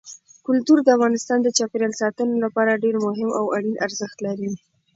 کلتور د افغانستان د چاپیریال ساتنې لپاره ډېر مهم او اړین ارزښت لري.